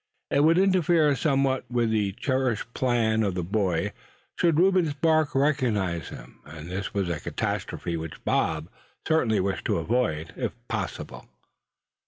It would interfere somewhat with the cherished plans of the boy, should Reuben Sparks recognize him; and this was a catastrophe which Bob certainly wished to avoid, if possible.